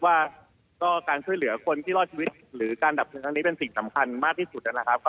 ว่าก็การช่วยเหลือคนที่รอดชีวิตหรือการดับเพลิงครั้งนี้เป็นสิ่งสำคัญมากที่สุดนะครับ